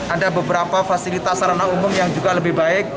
ada beberapa fasilitas sarana umum yang juga lebih baik